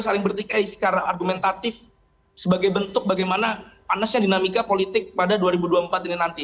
saling bertikai secara argumentatif sebagai bentuk bagaimana panasnya dinamika politik pada dua ribu dua puluh empat ini nanti